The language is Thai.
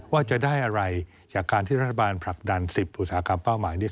ว่าจะได้อะไรจากการที่รัฐบาลผลักดัน๑๐อุตสาหกรรมเป้าหมายนี้